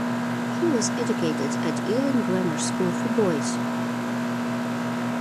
He was educated at Ealing Grammar School for Boys.